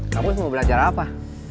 kang mus mau belajar apa